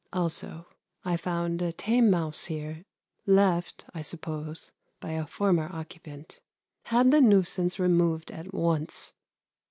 Also I found a tame mouse here, left I suppose by a former occupant. Had the nuisance removed at once.